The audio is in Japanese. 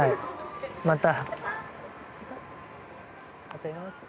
また。